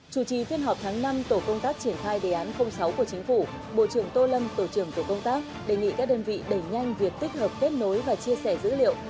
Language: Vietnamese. chủ trì phiên họp tháng năm tổ công tác triển khai đề án sáu của chính phủ bộ trưởng tô lâm tổ trưởng tổ công tác đề nghị các đơn vị đẩy nhanh việc tích hợp kết nối và chia sẻ dữ liệu